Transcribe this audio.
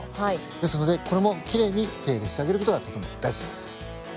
ですのでこれもきれいに手入れしてあげる事がとても大事です。